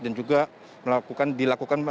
dan juga dilakukan